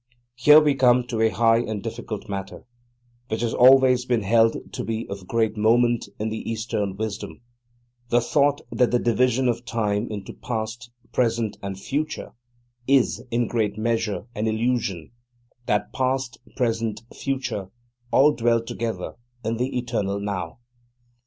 Here we come to a high and difficult matter, which has always been held to be of great moment in the Eastern wisdom: the thought that the division of time into past, present and future is, in great measure, an illusion; that past, present, future all dwell together in the eternal Now.